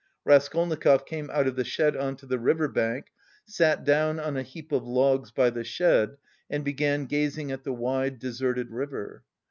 Raskolnikov came out of the shed on to the river bank, sat down on a heap of logs by the shed and began gazing at the wide deserted river.